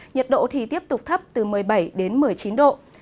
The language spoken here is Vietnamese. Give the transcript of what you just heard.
nhiệt độ thì tiếp tục thấp từ một mươi bảy đến một mươi chín độ